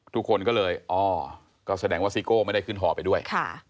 ทุกคนก็เลยอ๋อก็แสดงว่าซิโก้ไม่ได้ขึ้นฮอไปด้วย